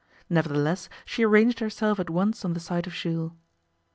Nevertheless she ranged herself at once on the side of Jules.